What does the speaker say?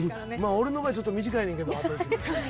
俺の場合ちょっと短いねんけど。